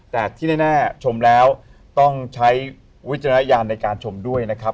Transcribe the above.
แต่ที่แน่ชมแล้วต้องใช้วิจารณญาณในการชมด้วยนะครับ